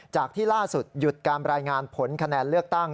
ที่ล่าสุดหยุดการรายงานผลคะแนนเลือกตั้ง